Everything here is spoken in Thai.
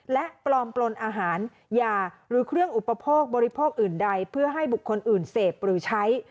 และปลอมปลนอาหารยาหรือเครื่องอุปโภคบริโภคอื่นใดเพื่อให้บุคคลอื่นเสพหรือใช้